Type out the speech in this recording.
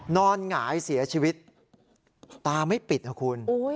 หงายเสียชีวิตตาไม่ปิดนะคุณ